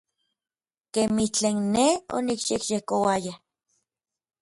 Kemij tlen nej onikyejyekouaya.